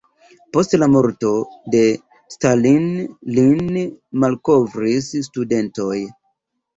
Post la morto de Stalin lin malkovris studentoj.